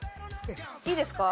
いいですか？